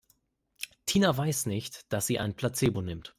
Tina weiß nicht, dass sie ein Placebo nimmt.